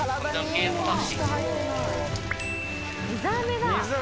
水あめだ！